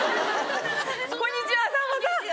こんにちはさんまさん。